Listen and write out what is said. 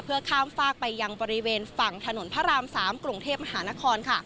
ข้ามฝากไปยังบริเวณฝั่งถนนพระราม๓กรุงเทพมหานคร